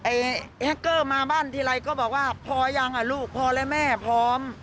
แอคเกอร์มาบ้านทีไรก็บอกว่าพอยังอ่ะลูกพอและแม่พร้อม